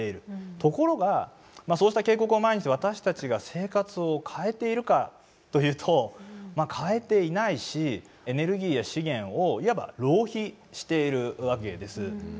ところがそうした警告を前にして私たちが生活を変えているかというと変えていないしエネルギーや資源をいわば浪費しているわけです。